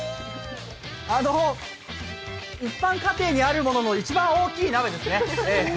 一般家庭にあるものの一番大きい鍋ですね。